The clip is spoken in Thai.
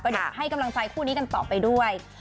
เดี๋ยวให้กำลังใจคู่นี้กันต่อไปด้วย